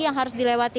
yang harus dilewati